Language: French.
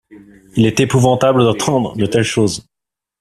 il est épouvantable d'entendre de telles choses.